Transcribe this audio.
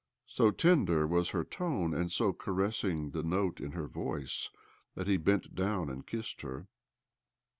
So tender was her tone, and so caressing the note in her voice, that he bfent down and kissed her.